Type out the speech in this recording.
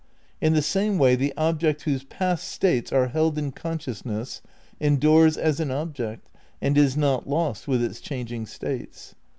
In the same way the object whose past states are held in con sciousness endures as an object and is not lost with its changing states.